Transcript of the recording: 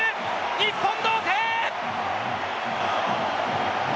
日本、同点！